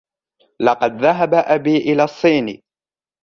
لقد ذهب أبي إلى الصين.